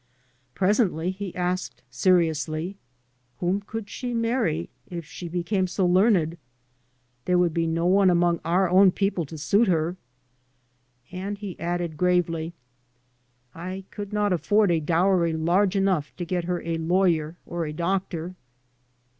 Presently he asked seriously, " Whom could she marry if she became so learned? There would be no one among our own people to wit her." And he added [■■4] MY MOTHER AND I gravely, " I could not afford a dowry large enough to get her a lawyer or a doctor."